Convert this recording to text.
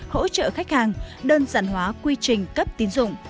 hỗ trợ khách hàng đơn giản hóa quy trình cấp tín dụng